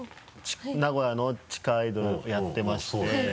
名古屋の地下アイドルやってまして。